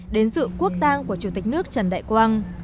đến dự quốc tang của chủ tịch nước trần đại quang